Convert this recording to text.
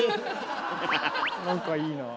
なんかいいなあ。